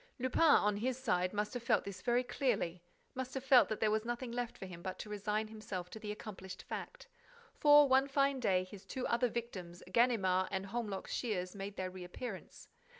Lupin, on his side, must have felt this very clearly, must have felt that there was nothing left for him but to resign himself to the accomplished fact; for, one fine day, his two other victims, Ganimard and Holmlock Shears, made their reappearance.